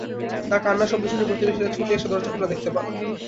তার কান্নার শব্দ শুনে প্রতিবেশীরা ছুটে এসে ঘরের দরজা খোলা দেখতে পান।